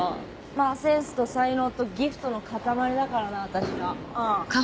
まぁセンスと才能とギフトの塊だからな私はうん。